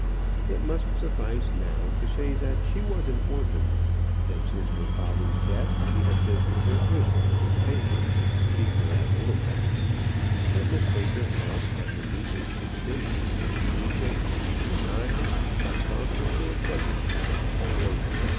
It must suffice now to say that she was an orphan; that since her father's death she had lived with her aunt, Miss Baker, chiefly at Littlebath; that Miss Baker had, at her niece's instance, been to Egypt, up the Nile, across the short desert (short!)